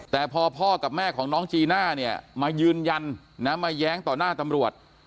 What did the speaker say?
แต่พอพ่อกับแม่ของน้องจีน่าเนี่ยมายืนยันนะมาแย้งต่อหน้าตำรวจ